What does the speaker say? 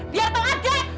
biar tahu aja